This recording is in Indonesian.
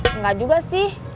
enggak juga sih